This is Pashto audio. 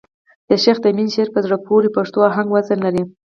د شېخ تیمن شعر په زړه پوري پښتو آهنګ وزن لري.